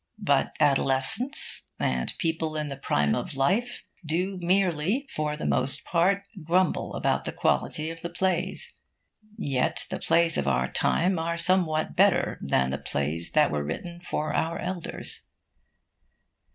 But adolescents, and people in the prime of life, do merely, for the most part, grumble about the quality of the plays. Yet the plays of our time are somewhat better than the plays that were written for our elders.